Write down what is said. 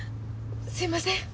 すいません。